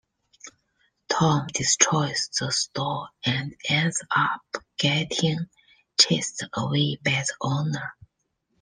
Tom destroys the store and ends up getting chased away by the owner.